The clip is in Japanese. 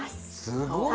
すごい！